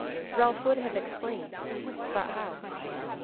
Ralph would have explained, but how?